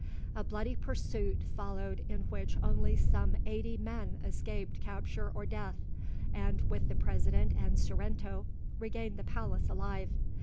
A bloody pursuit followed in which only some eighty men escaped capture or death, and with the President and Sorrento regained the palace alive.